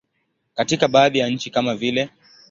Katika baadhi ya nchi kama vile.